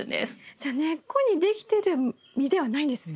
じゃあ根っこにできてる実ではないんですね。